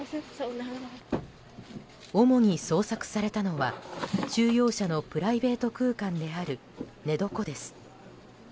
主に捜索されたのは収容者のプライベート空間である寝床です。